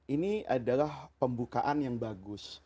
ini adalah pembukaan yang bagus